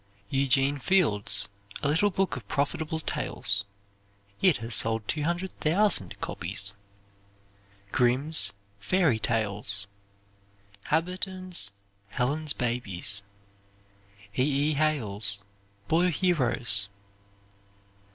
Eugene Field's "A Little Book of Profitable Tales." It has sold 200,000 copies. Grimm's "Fairy Tales." Habberton's "Helen's Babies." E. E. Hale's "Boy Heroes."